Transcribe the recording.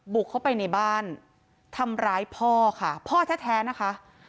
บุกเข้าไปในบ้านทำร้ายพ่อค่ะพ่อแท้นะคะ